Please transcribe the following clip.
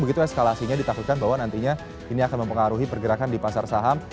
begitu eskalasinya ditakutkan bahwa nantinya ini akan mempengaruhi pergerakan di pasar saham